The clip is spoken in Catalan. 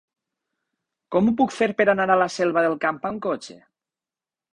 Com ho puc fer per anar a la Selva del Camp amb cotxe?